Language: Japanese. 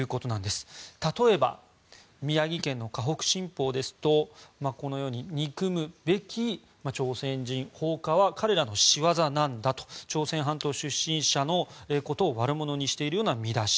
例えば、宮城県の河北新報ですと憎むべき朝鮮人放火は彼らの仕業なんだと朝鮮半島出身者のことを悪者にしているような見出し。